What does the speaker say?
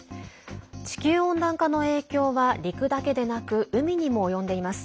地球温暖化の影響は陸だけでなく海にも及んでいます。